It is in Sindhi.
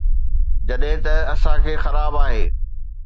جڏهن ته اسان کي خراب آهي